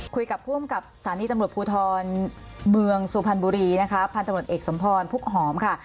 คุยกับผู้อำกับสถานีตำรวจภูทรเมืองสุพรรณบุรีนะคะพันธบทเอกสมพรพุกหอมค่ะ